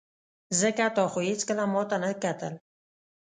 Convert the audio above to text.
ځکه تا خو هېڅکله ماته نه کتل.